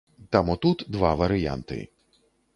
Таму тут два варыянты.